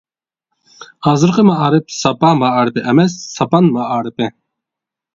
ھازىرقى مائارىپ ساپا مائارىپى ئەمەس ساپان مائارىپى!